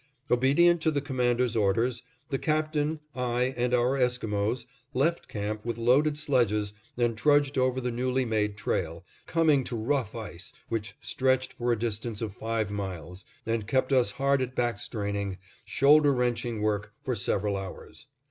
Obedient to the Commander's orders, the Captain, I, and our Esquimos, left camp with loaded sledges and trudged over the newly made trail, coming to rough ice which stretched for a distance of five miles, and kept us hard at back straining, shoulder wrenching work for several hours.